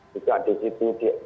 juga di situ